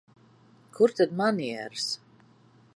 Kur tad manieres?